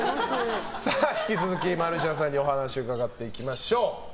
引き続きマルシアさんにお話伺っていきましょう。